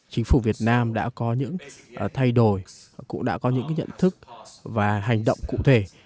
chính phủ việt nam đã có những thay đổi cũng đã có những nhận thức và hành động cụ thể